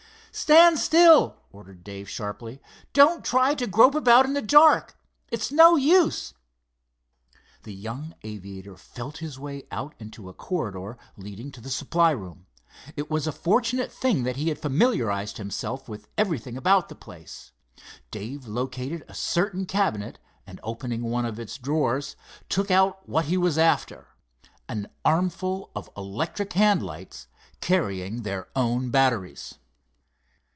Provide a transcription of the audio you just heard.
"Stand still," ordered Dave, sharply, "don't try to grope about in the dark. It's no use." The young aviator felt his way out into a corridor leading to the supply room. It was a fortunate thing that he had familiarized himself with everything about the place. Dave located a certain cabinet, and opening one of its drawers, took out what he was after—an armful of electric hand lights carrying their own batteries.